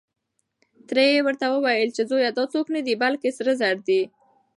تره يې ورته وويل چې زويه دا څوک نه دی، بلکې سره زر دي.